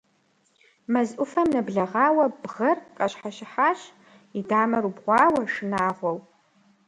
Мэз Ӏуфэм нэблэгъуауэ Бгъэр къащхьэщыхьащ, и дамэр убгъуауэ, шынагъуэу.